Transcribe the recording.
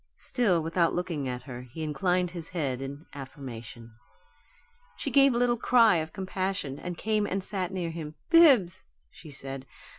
Still without looking at her, he inclined his head in affirmation. She gave a little cry of compassion, and came and sat near him. "Bibbs," she said.